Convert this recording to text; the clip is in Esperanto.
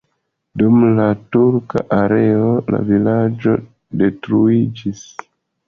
Dum la turka erao la vilaĝo detruiĝis.